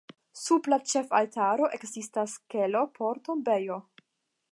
Sub la ĉefaltaro ekzistas kelo por tombejo.